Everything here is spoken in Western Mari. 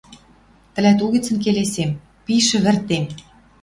Тӹлӓт угӹцӹн келесем — пиш ӹвӹртем